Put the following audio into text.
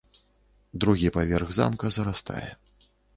Другі паверх замка зарастае.